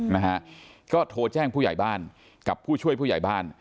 นะฮะก็โทรแจ้งผู้ใหญ่บ้านกับผู้ช่วยผู้ใหญ่บ้าน